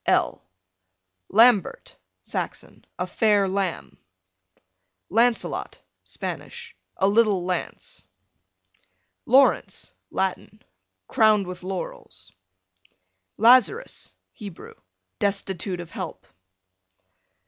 L Lambert, Saxon, a fair lamb. Lancelot, Spanish, a little lance. Laurence, Latin, crowned with laurels. Lazarus, Hebrew, destitute of help.